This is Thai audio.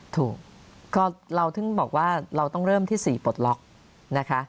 ถูกก็เราถึงบอกว่าเราต้องเริ่มที่๔ปลดล็อกนะคะ